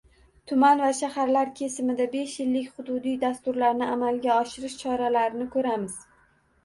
Tuman va shaharlar kesimida besh yillik hududiy dasturlarni amalga oshirish choralarini ko‘ramiz.